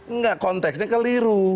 enggak konteksnya keliru